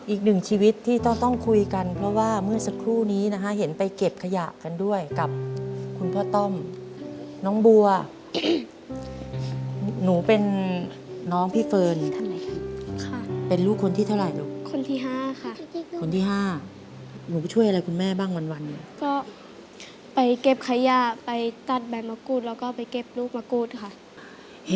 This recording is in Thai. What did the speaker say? อีกหนึ่งชีวิตที่ต้องต้องคุยกันเพราะว่าเมื่อสักครู่นี้นะคะเห็นไปเก็บขยะกันด้วยกับคุณพ่อต้อมน้องบัวหนูเป็นน้องพี่เฟิร์นค่ะเป็นลูกคนที่เท่าไหร่ลูกคนที่๕ค่ะคนที่ห้าหนูช่วยอะไรคุณแม่บ้างวันก็ไปเก็บขยะไปตัดใบมะกรูดแล้วก็ไปเก็บลูกมะกรูดค่ะ